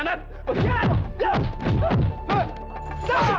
baik tunggu dulu